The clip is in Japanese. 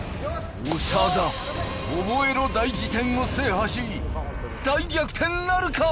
長田オボエロ大事典を制覇し大逆転なるか！？